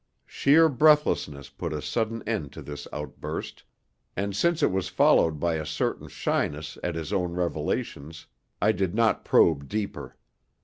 Sheer breathlessness put a sudden end to this outburst, and since it was followed by a certain shyness at his own revelations I did not probe deeper.